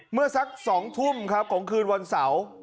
เมื่อสัก๒ทุ่มครับของคืนวันเสาร์